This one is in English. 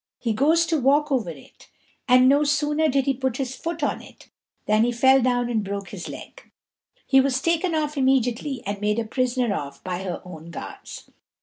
He goes to walk over it, and no sooner did he put his foot on it, than he fell down and broke his leg. He was taken off immediately and made a prisoner of by her own guards.